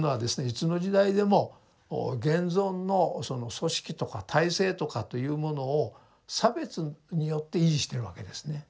いつの時代でも現存のその組織とか体制とかというものを差別によって維持しているわけですね。